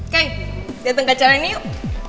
kay datang ke acara ini yuk